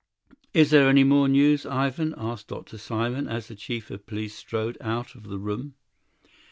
"Is there any more news, Ivan?" asked Dr. Simon, as the chief of police strode out of the room.